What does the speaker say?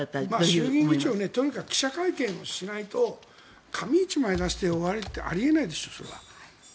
衆議院議長とにかく記者会見をしないと紙１枚出して終わりってあり得ないですよ。